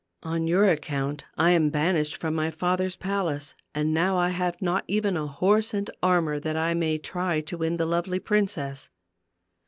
" On your account I am banished from my father's palace, and now I have not even a horse and armor that I may try to win the lovely princess."